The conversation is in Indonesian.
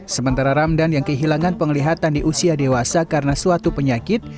sementara ramdan yang kehilangan penglihatan di usia dewasa karena suatu penyakit